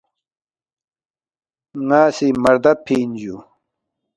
”ن٘ا سی مہ ردَبفی اِن جُو